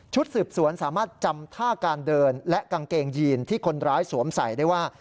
สืบสวนสามารถจำท่าการเดินและกางเกงยีนที่คนร้ายสวมใส่ได้ว่า